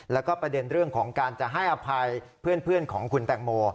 แล้วก็ประเด็นเรื่องของการจะให้อภัยเพื่อนของคุณแตงโม